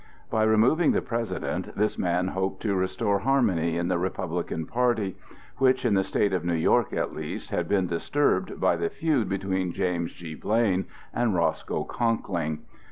By removing the President this man hoped to restore harmony in the Republican party, which, in the state of New York at least, had been disturbed by the feud between James G. Blaine and Roscoe Conkling.